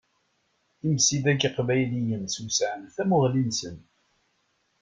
Imsidag iqbayliyen swesɛen tamuɣli-nsen.